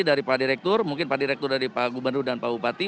dari pak direktur mungkin pak direktur dari pak gubernur dan pak bupati